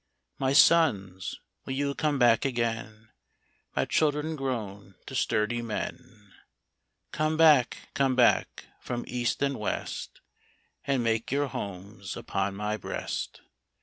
My sons, will you come back again, My children grown to sturdy men ? Come back, come back, from east and west, And make your homes upon my breast